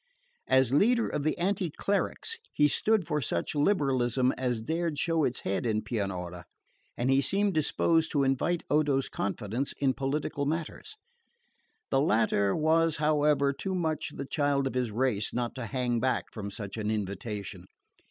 As leader of the anti clericals he stood for such liberalism as dared show its head in Pianura; and he seemed disposed to invite Odo's confidence in political matters. The latter was, however, too much the child of his race not to hang back from such an invitation.